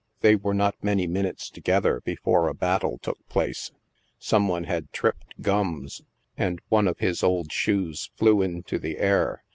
They were not many minutes together before a battle took place. Some one had tripped " Gams," and one of his old shoes flew into the air.